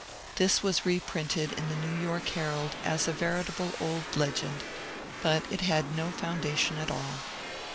This was reprinted in the ^' New York Herald " as a veritable old legend, but it had no foundation at all.